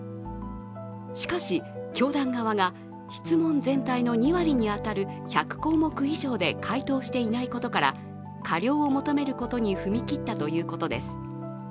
しかし、教団側が質問全体の２割に当たる１００項目以上で回答していないことから、過料を求めることに踏み切ったということです。